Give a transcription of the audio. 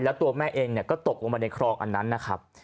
แล้วตัวแม่เองก็ตกลงไปในคลองอันนั้นนะครับ